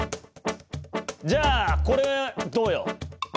じゃあこれどうよ？